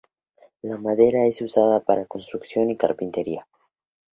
La madera es usada para construcción y carpintería.